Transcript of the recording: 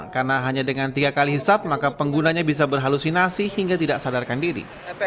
karena hanya dengan tiga kali hisap maka penggunanya bisa berhalusinasi hingga tidak sadarkan diri